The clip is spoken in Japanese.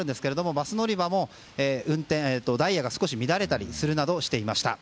バス乗り場もダイヤが少し乱れたりするなどしていました。